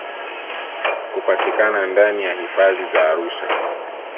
kupatikana ndani ya hifadhi za Arusha